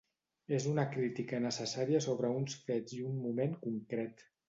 És una crítica necessària sobre uns fets i un moment concret.